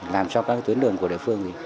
làm cho các tuyến đường của địa phương